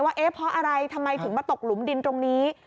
เอ๊ะเพราะอะไรทำไมถึงมาตกหลุมดินตรงนี้